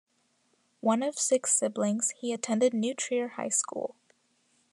One of six siblings, he attended New Trier High School.